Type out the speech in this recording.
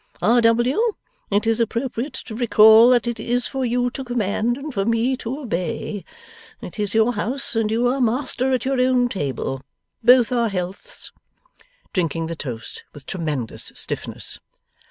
R. W., it is appropriate to recall that it is for you to command and for me to obey. It is your house, and you are master at your own table. Both our healths!' Drinking the toast with tremendous stiffness.